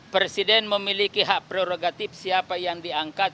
presiden memiliki hak prerogatif siapa yang diangkat